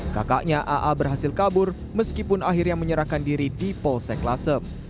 kakaknya aa berhasil kabur meskipun akhirnya menyerahkan diri di polsek lasem